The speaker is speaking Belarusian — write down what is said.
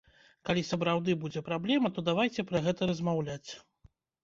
Калі сапраўды будзе праблема, то давайце пра гэта размаўляць.